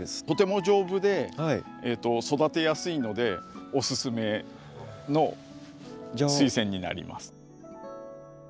とても丈夫で育てやすいのでおすすめのスイセンになります。